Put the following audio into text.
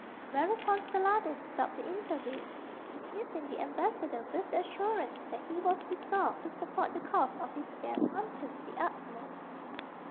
Whereupon Saladin stopped the interview, dismissing the ambassador with the assurance that he was resolved to support the cause of his guest unto the utmost.